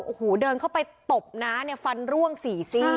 โอ้โหเดินเข้าไปตบน้าเนี่ยฟันร่วงสี่ซี่